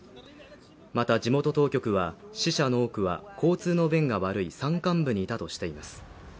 また、地元当局は死者の多くは交通の便が悪い山間部にいたとしています。